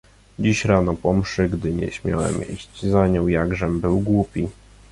"Dziś rano po mszy, gdy nieśmiałem iść za nią, jakżem był głupi!..."